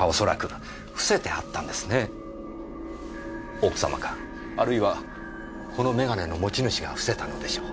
奥様かあるいはこの眼鏡の持ち主が伏せたのでしょう。